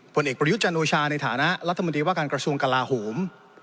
ผลเอกประยุทธ์จันโอชาในฐานะรัฐมนตรีว่าการกระทรวงกลาโหม